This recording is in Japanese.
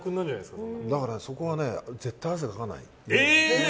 だから、そこは絶対汗かかない。